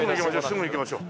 すぐ行きましょ。